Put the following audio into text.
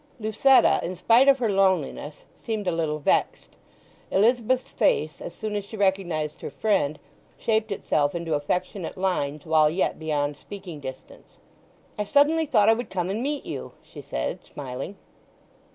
Lucetta, in spite of her loneliness, seemed a little vexed. Elizabeth's face, as soon as she recognized her friend, shaped itself into affectionate lines while yet beyond speaking distance. "I suddenly thought I would come and meet you," she said, smiling.